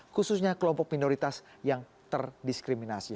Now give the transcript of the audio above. khususnya kelompok minoritas yang terdiskriminasi